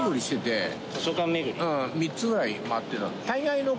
３つぐらい回ってたの。